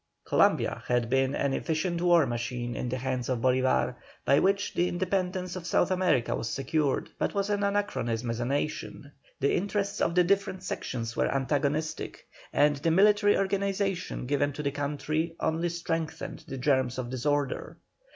Columbia had been an efficient war machine in the hands of Bolívar by which the independence of South America was secured, but was an anachronism as a nation. The interests of the different sections were antagonistic, and the military organization given to the country only strengthened the germs of disorder.